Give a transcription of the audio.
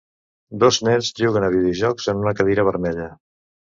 Dos nens juguen a videojocs en una cadira vermella.